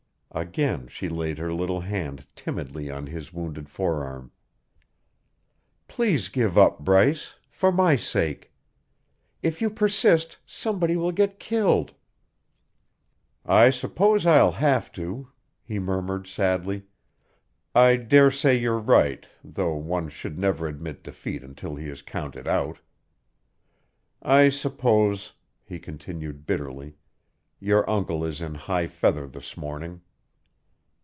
Again she laid her little hand timidly on his wounded forearm. "Please give up, Bryce for my sake. If you persist, somebody will get killed." "I suppose I'll have to," he murmured sadly. "I dare say you're right, though one should never admit defeat until he is counted out. I suppose," he continued bitterly, "your uncle is in high feather this morning."